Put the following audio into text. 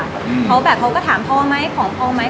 เขาแบบเขาก็ถามพ่อไหมของพ่อไหม